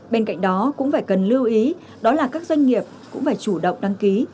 bên cạnh đó cũng phải cần lưu ý đó là các doanh nghiệp cũng phải chủ động đăng ký